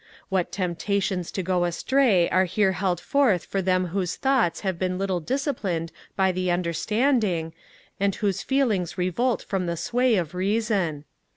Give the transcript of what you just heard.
what temptations to go astray are here held forth for them whose thoughts have been little disciplined by the understanding, and whose feelings revolt from the sway of reason!